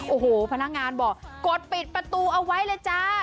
โอ้โหพนักงานบอกกดปิดประตูเอาไว้เลยจ้า